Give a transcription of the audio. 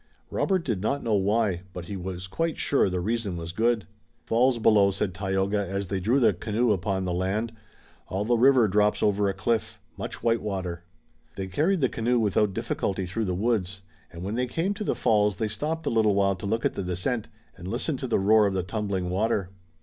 Robert did not know why, but he was quite sure the reason was good. "Falls below," said Tayoga, as they drew the canoe upon the land. "All the river drops over a cliff. Much white water." They carried the canoe without difficulty through the woods, and when they came to the falls they stopped a little while to look at the descent, and listen to the roar of the tumbling water.